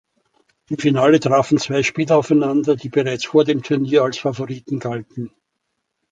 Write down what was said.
Im Finale trafen zwei Spieler aufeinander, die bereits vor dem Turnier als Favoriten galten.